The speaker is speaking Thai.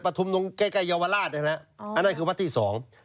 ประทุมตรงใกล้เยาวราชนะครับอันนั้นคือวัดที่สอง